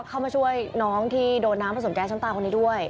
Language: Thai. เข้ามาช่วยน้องที่โดนน้ำผสมแก๊สน้ำตาคนนี้ด้วย